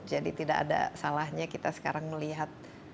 jadi tidak ada salahnya kita sekarang melihat